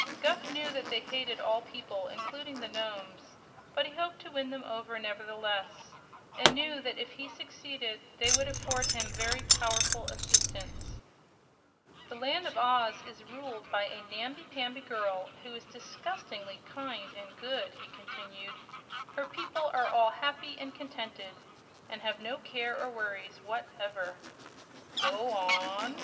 Guph knew that they hated all people, including the Nomes; but he hoped to win them over, nevertheless, and knew that if he succeeded they would afford him very powerful assistance. "The Land of Oz is ruled by a namby pamby girl who is disgustingly kind and good," he continued. "Her people are all happy and contented and have no care or worries whatever." "Go on!"